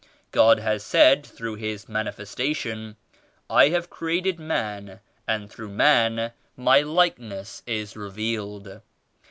God has said through His Manifestation *I have created man, and through man My like ness is revealed.'